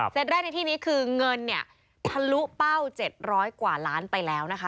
แรกในที่นี้คือเงินเนี่ยทะลุเป้า๗๐๐กว่าล้านไปแล้วนะคะ